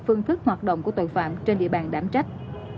phương thức hoạt động của tội phạm trên địa bàn đảm trách